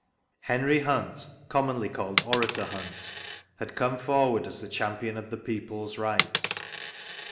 Henry Hunt (commonly called Orator Hunt) had come forward as the champion of the people's rights.